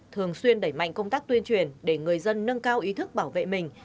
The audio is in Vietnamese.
thường xuyên đẩy mạnh công tác tuyên truyền để người dân nâng cao ý thức bảo vệ mình